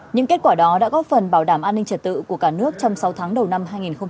những kết quả đó đã góp phần bảo đảm an ninh trật tự của cả nước trong sáu tháng đầu năm hai nghìn hai mươi